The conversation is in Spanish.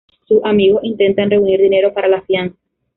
Sus amigos intentan reunir dinero para la fianza.